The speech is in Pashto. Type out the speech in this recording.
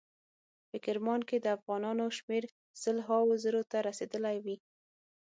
په کرمان کې د افغانانو شمیر سل هاو زرو ته رسیدلی وي.